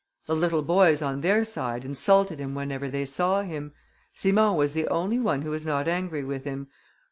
The little boys, on their side, insulted him whenever they saw him. Simon was the only one who was not angry with him.